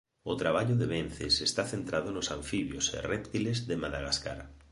O traballo de Vences está centrado nos anfibios e réptiles de Madagascar.